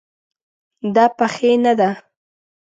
دا پخې نه ده